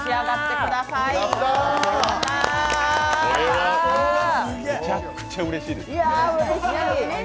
これはめちゃくちゃうれしいですね。